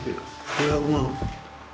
５００万。